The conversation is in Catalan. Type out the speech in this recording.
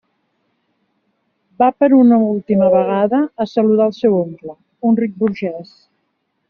Va per una última vegada a saludar el seu oncle, un ric burgès.